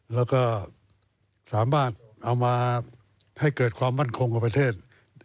แล้วก็สามารถเอามาให้เกิดความมั่นคงกับประเทศ